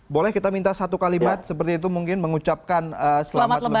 boleh kita minta satu kalimat seperti itu mungkin mengucapkan selamat mereka